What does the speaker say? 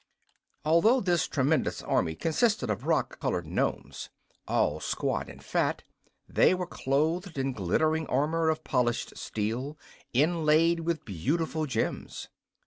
Although this tremendous army consisted of rock colored Nomes, all squat and fat, they were clothed in glittering armor of polished steel, inlaid with beautiful gems.